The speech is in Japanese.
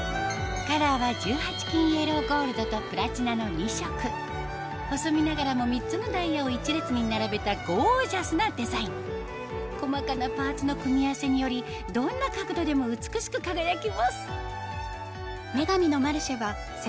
カラーはの２色細身ながらも３つのダイヤを１列に並べたゴージャスなデザイン細かなパーツの組み合わせによりどんな角度でも美しく輝きます